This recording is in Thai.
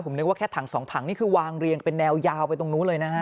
นึกว่าแค่ถังสองถังนี่คือวางเรียงเป็นแนวยาวไปตรงนู้นเลยนะฮะ